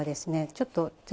ちょっと私